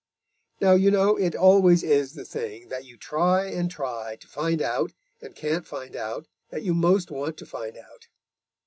Now you know it always is the thing that you try and try to find out and can't find out that you most want to find out.